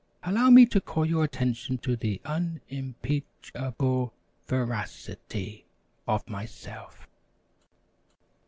"Allow me to call your attention to the un im peach able ver ac i ty of myself."